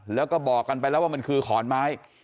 แล้วก็บอกกันไปแล้วว่ามันคือขอนไม้